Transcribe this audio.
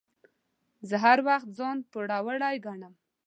زه هر وخت ځان پوروړی ګڼم.